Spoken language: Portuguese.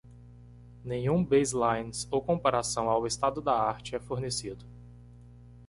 Nenhum baselines ou comparação ao estado da arte é fornecido.